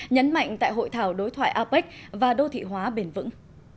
nhấn mạnh tại hội thảo đối thoại apec và đô thị hóa bền vững